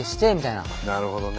なるほどね。